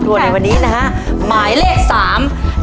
แล้วมาดูโบนัสหลังตู้หมายเลข๔กันนะครับว่า